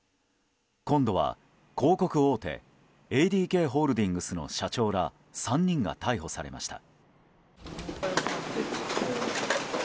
今度は、広告大手ＡＤＫホールディングスの社長ら３人が逮捕されました。